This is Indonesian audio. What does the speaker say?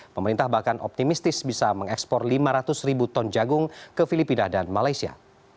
pemerintah bahkan optimistis bisa mengekspor lima ratus ribu ton jagung ke filipina dan malaysia